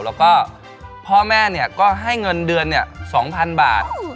แล้วก็พ่อแม่ก็ให้เงินเดือน๒๐๐๐บาท